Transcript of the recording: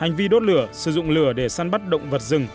hành vi đốt lửa sử dụng lửa để săn bắt động vật rừng